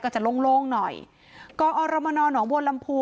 จะโล่งโล่งหน่อยกอรมนหนองบัวลำพู